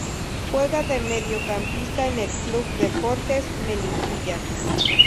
Juega de mediocampista en el club Deportes Melipilla.